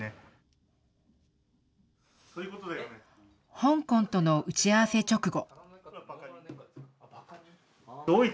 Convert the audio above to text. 香港との打ち合わせ直後。